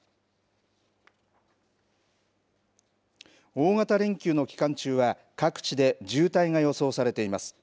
大型連休の期間中は、各地で渋滞が予想されています。